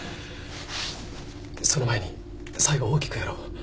その前に最後大きくやろう。